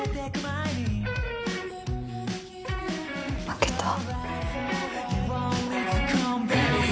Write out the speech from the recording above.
負けた。